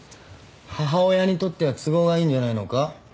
母親にとっては都合がいいんじゃないのか？